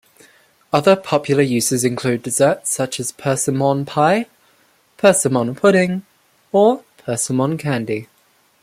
Other popular uses include desserts such as persimmon pie, persimmon pudding, or persimmon candy.